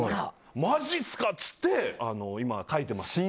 マジっすかって今、書いてます。